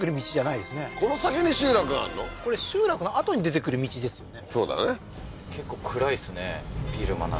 これ集落のあとに出てくる道ですよね